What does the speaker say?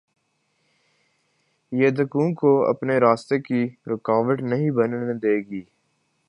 یہ دکھوں کو اپنے راستے کی رکاوٹ نہیں بننے دے گی۔